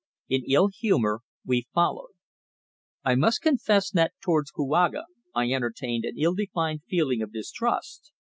In ill humour we followed. I must confess that towards Kouaga I entertained an ill defined feeling of distrust.